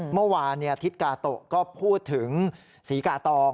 เมื่อวานทิศกาโตะก็พูดถึงศรีกาตอง